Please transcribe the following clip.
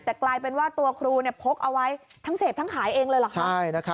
แต่กลายเป็นว่าตัวครูพกเอาไว้ทั้งเสพทั้งขายเองเลยเหรอคะ